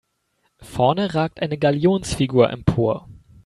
Vorne ragt eine Galionsfigur empor.